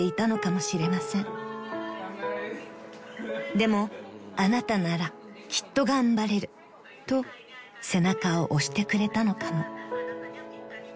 ［でもあなたならきっと頑張れると背中を押してくれたのかも］